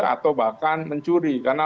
atau bahkan mencuri karena